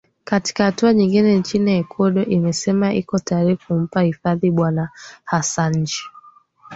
katika hatua nyingine nchi ya ecuador imesema iko tayari kumpa hifadhi bwana hassanji